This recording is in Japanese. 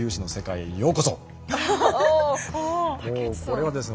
これはですね